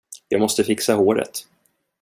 Jag måste fixa håret.